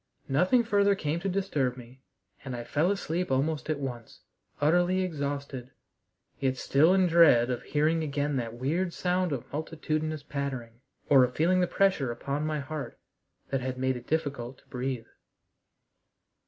Nothing further came to disturb me, and I fell asleep almost at once, utterly exhausted, yet still in dread of hearing again that weird sound of multitudinous pattering, or of feeling the pressure upon my heart that had made it difficult to breathe.